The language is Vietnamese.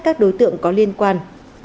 các đối tượng có liên quan